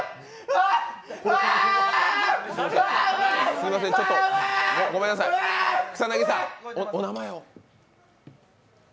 すいません、ちょっとごめんなさい、草薙さん、お名前を。